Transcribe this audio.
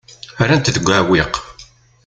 Rran-t deg uɛewwiq.